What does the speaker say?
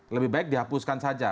lebih baik dihapuskan saja